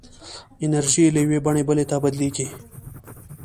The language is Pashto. انرژي له یوې بڼې بلې ته بدلېږي.